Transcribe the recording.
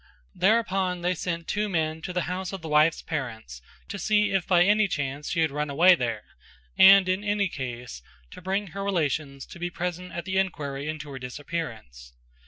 Thereupon they sent two men to the house of the wife's parents to see if by any chance she had run away there and in any case to bring her relations to be present at the enquiry into her disappearance.